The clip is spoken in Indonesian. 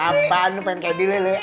apaan lu pengen kayak gini loh